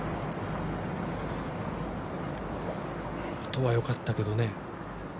音はよかったけどね。